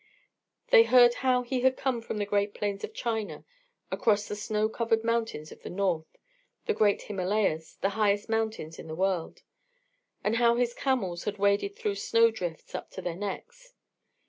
They heard how he had come from the great plains of China, across the snow covered mountains of the north the great Himalayas, the highest mountains in the world; and how his camels had waded through snow drifts up to their necks.